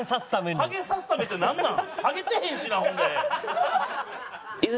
ハゲさすためってなんなん？